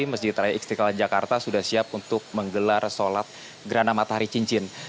masjid istiqlal jakarta sudah siap untuk menggelar sholat gerhana matahari cincin